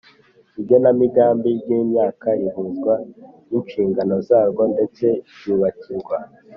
Igenamigambi ry imyaka rihuzwa n inshingano zarwo ndetse ryubakirwa